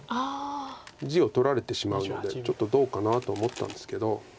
地を取られてしまうのでちょっとどうかなと思ったんですけど。